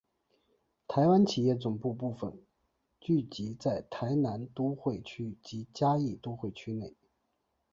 台湾企业总部部份聚集在台南都会区及嘉义都会区内。